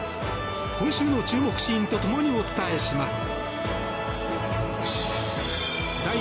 今週の注目シーンと共にお伝えします。